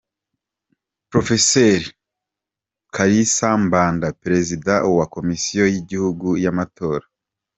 Prof Kalisa Mbanda, Perezida wa Komisiyo y’Igihugu y’Amatora.